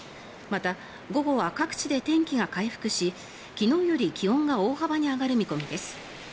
また、午後は各地で天気が回復し昨日より気温が大幅に上がる見込みです。